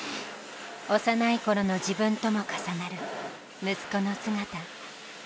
幼いころの自分とも重なる息子の姿。